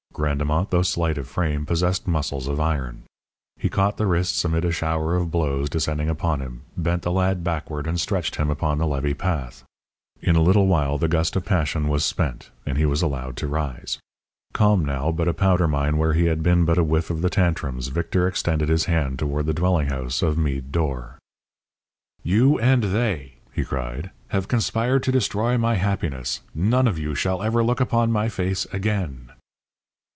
Grandemont, though of slight frame, possessed muscles of iron. He caught the wrists amid a shower of blows descending upon him, bent the lad backward and stretched him upon the levee path. In a little while the gust of passion was spent, and he was allowed to rise. Calm now, but a powder mine where he had been but a whiff of the tantrums, Victor extended his hand toward the dwelling house of Meade d'Or. "You and they," he cried, "have conspired to destroy my happiness. None of you shall ever look upon my face again."